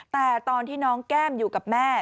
แต่ตอนที่น้องแก้มอยู่กับแม่